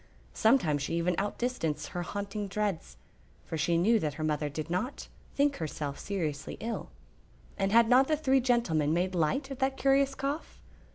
Sometimes she even outdistanced her haunting dreads, for she knew that her mother did not think herself seriously ill; and had not the three gentlemen made light of that curious cough?